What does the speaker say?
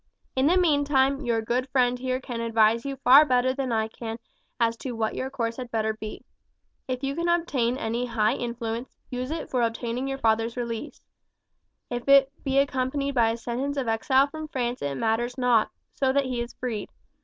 In the meantime your good friend here can advise you far better than I can as to what your course had better be. If you can obtain any high influence, use it for obtaining your father's release. If it be accompanied by a sentence of exile from France it matters not, so that he is freed.